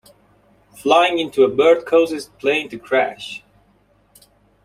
Flying into a bird causes the plane to crash.